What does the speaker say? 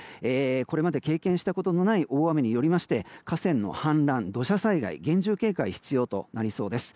これまで経験したことのない大雨によりまして河川の氾濫、土砂災害厳重警戒、必要となりそうです。